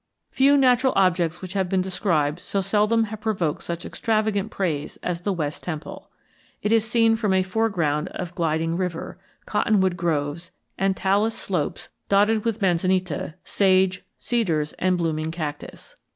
Few natural objects which have been described so seldom have provoked such extravagant praise as the West Temple. It is seen from a foreground of gliding river, cottonwood groves, and talus slopes dotted with manzanita, sage, cedars, and blooming cactus.